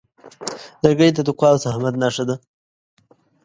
لرګی د تقوا او زحمت نښه ده.